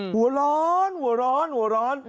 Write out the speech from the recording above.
หัวร้อนหัวร้อนหัวร้อน